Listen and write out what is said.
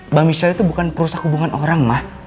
mbak michelle itu bukan perusak hubungan orang ma